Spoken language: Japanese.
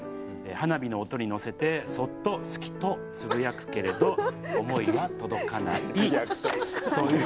花火の音に乗せてそっと『好き』とつぶやくけれど思いは届かない」という。